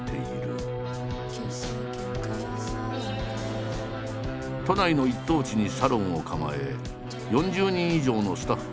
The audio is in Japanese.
都内の一等地にサロンを構え４０人以上のスタッフを束ねる松浦。